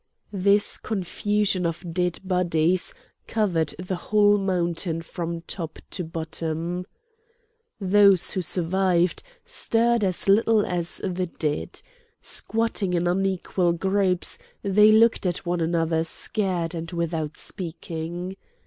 This confusion of dead bodies covered the whole mountain from top to bottom. Those who survived stirred as little as the dead. Squatting in unequal groups they looked at one another scared and without speaking.